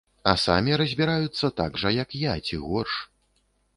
А самі разбіраюцца так жа, як я, ці горш.